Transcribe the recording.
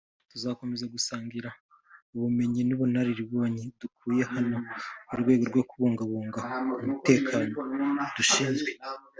tuzakomeza gusangira ubumenyi n’ubunararibonye dukuye hano mu rwego rwo kubungabunga umutekano dushinzwe